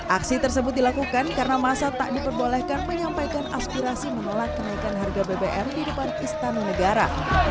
aksi tersebut dilakukan karena masa tak diperbolehkan menyampaikan aspirasi menolak kenaikan harga bbm di depan istana negara